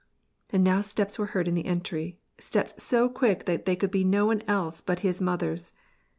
And now steps were heard in the entry — steps so quick that they could be no one else but his mother's.